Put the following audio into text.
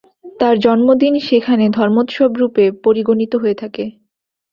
তাঁর জন্মদিন সেখানে ধর্মোৎসব-রূপে পরিগণিত হয়ে থাকে।